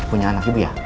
punya anak ibu ya